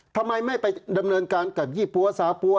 ทำไมไม่ไปดำเนินการกับยี่ปั๊วซาปั้ว